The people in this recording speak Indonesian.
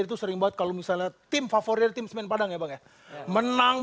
itu sering banget kalau misalnya tim favorit tim semen padang ya bang ya menang